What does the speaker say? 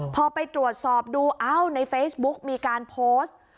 พอไปตรวจสอบดูเอ้าในเฟซบุ๊กมีการโพสต์